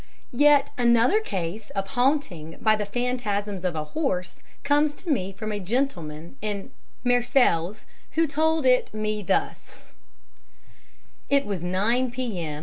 Yet another case of haunting by the phantasms of a horse comes to me from a gentleman in Marseilles, who told it me thus: "It was 9 p.m.